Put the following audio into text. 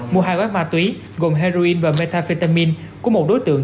mua hai gói ma túy gồm heroin và metafetamine của một đối tượng